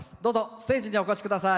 ステージにお越しください。